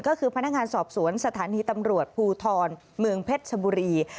ก็คือพนักงานสอบสวนสถานีตำรวจภูทรเมืองเพชรชบุรี